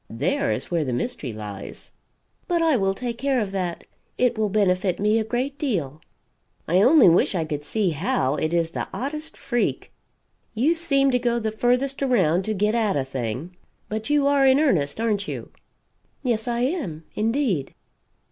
There is where the mystery lies." "But I will take care of that. It will benefit me a great deal." "I only wish I could see how; it is the oddest freak. You seem to go the furthest around to get at a thing but you are in earnest, aren't you?" "Yes I am, indeed."